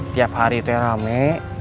tiap hari itu rame